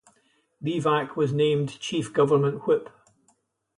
Levac was named chief government whip.